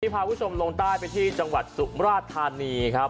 พาคุณผู้ชมลงใต้ไปที่จังหวัดสุมราชธานีครับ